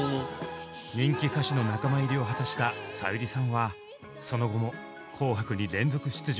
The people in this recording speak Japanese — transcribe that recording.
人気歌手の仲間入りを果たしたさゆりさんはその後も「紅白」に連続出場。